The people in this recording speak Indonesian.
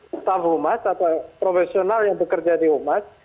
staff humas atau profesional yang bekerja di umat